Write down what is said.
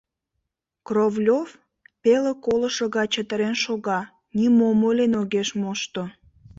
Кровлев пеле колышо гай чытырен шога, нимом ойлен огеш мошто.